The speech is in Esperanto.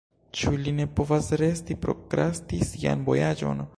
Ĉu li ne povas resti, prokrasti sian vojaĝon?